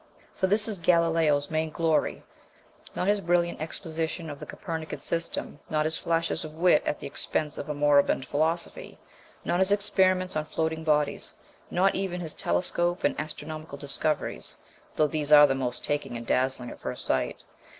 For this is Galileo's main glory not his brilliant exposition of the Copernican system, not his flashes of wit at the expense of a moribund philosophy, not his experiments on floating bodies, not even his telescope and astronomical discoveries though these are the most taking and dazzling at first sight.